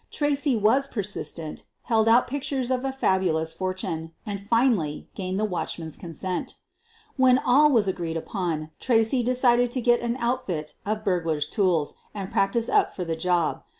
Tracy was per sistent, held out pictures of a fabulous fortune, and finally gained the watchman's consent. When all was agreed upon, Tracy decided to get an outfit of burglar's tools and practice up for the job.